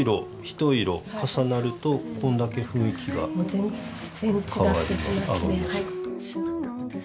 全然違ってきますね。